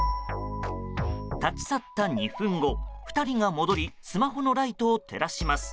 立ち去った２分後２人が戻りスマホのライトを照らします。